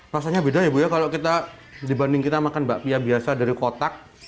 rasanya beda ya bu ya kalau kita dibanding kita makan bakpia biasa dari kotak